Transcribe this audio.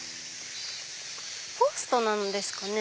ポストなんですかね？